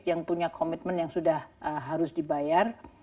yang punya komitmen yang sudah harus dibayar